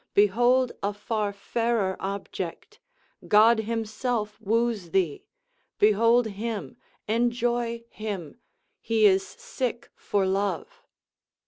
behold a far fairer object, God himself woos thee; behold him, enjoy him, he is sick for love.